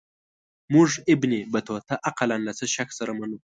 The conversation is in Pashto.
موږ ابن بطوطه اقلا له څه شک سره منو.